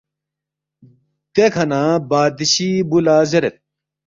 دیکھہ نہ بادشی بُو لہ زیرید